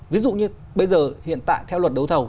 ví dụ như bây giờ hiện tại theo luật đấu thầu